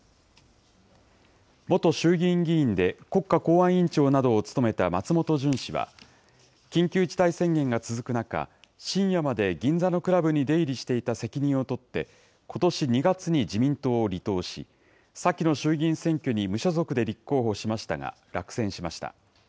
元衆議院議員で国家公安委員長などを務めた松本純氏は、緊急事態宣言が続く中、深夜まで銀座のクラブに出入りしていた責任を取って、ことし２月に自民党を離党し、先の衆議院選挙に無所属で立候補しましたが、落選しました。